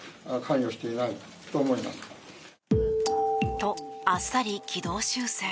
と、あっさり軌道修正。